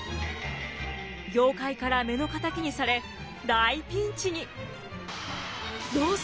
業界から目の敵にされ大ピンチに！